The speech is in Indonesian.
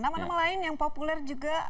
nama nama lain yang populer juga